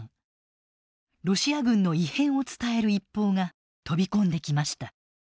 ロシア軍の異変を伝える一報が飛び込んできました。